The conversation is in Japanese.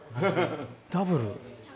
ダブル。